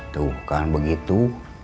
tuh bukan begitu